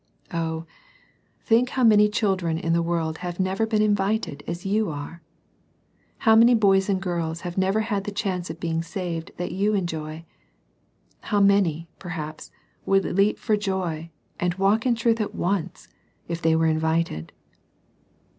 Oh, think how many children in the world have never been invited as you are !— how many boys and girls have never had the chance of being saved that you enjoy :— how many, perhaps, would leap for joy, and walk in truth at once, if they were invited.